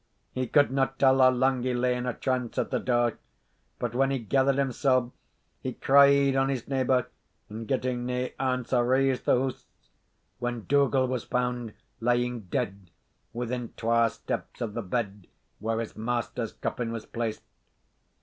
He could not tell how lang he lay in a trance at the door, but when he gathered himsell he cried on his neighbour, and getting nae answer raised the house, when Dougal was found lying dead within twa steps of the bed where his master's coffin was placed.